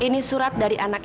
ini surat dari anakku